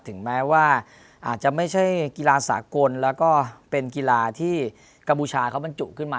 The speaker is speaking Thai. ถึงแม้ว่าอาจจะไม่ใช่กีฬาสากลแล้วก็เป็นกีฬาที่กัมพูชาเขาบรรจุขึ้นมา